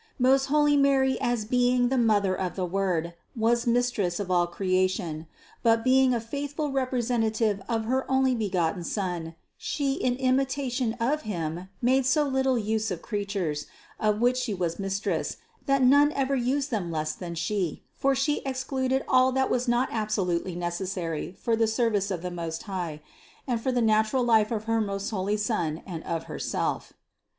Most holy Mary as being the Mother of the Word, was Mistress of all creation; but being a faithful representa tion of her onlybegotten Son, She in imitation of Him made so little use of creatures, of which She was Mistress, that none ever used them less than She, for She excluded all that was not absolutely necessary for the service of the Most High and for the natural life of her most holy Son and of Herself.